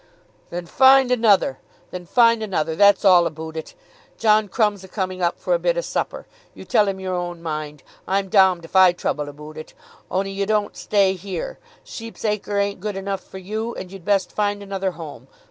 "Then find another. Then find another. That's all aboot it. John Crumb's a coming up for a bit o' supper. You tell him your own mind. I'm dommed if I trouble aboot it. On'y you don't stay here. Sheep's Acre ain't good enough for you, and you'd best find another home.